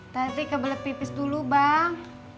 nanti kebelet pipis dulu bang